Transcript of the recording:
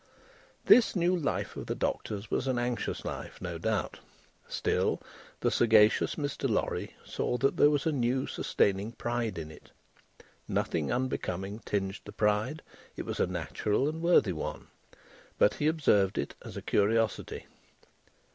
This new life of the Doctor's was an anxious life, no doubt; still, the sagacious Mr. Lorry saw that there was a new sustaining pride in it. Nothing unbecoming tinged the pride; it was a natural and worthy one; but he observed it as a curiosity.